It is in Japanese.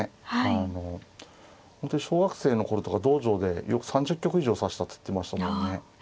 あの本当に小学生の頃とか道場でよく３０局以上指したって言ってましたもんね。